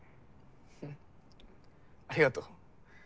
うんありがとう。